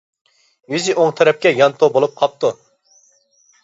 يۈزى ئوڭ تەرەپكە يانتۇ بولۇپ قاپتۇ.